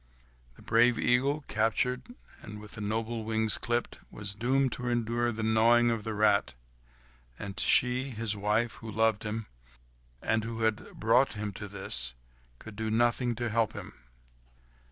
The brave eagle, captured, and with noble wings clipped, was doomed to endure the gnawing of the rat. And she, his wife, who loved him, and who had brought him to this, could do nothing to help him.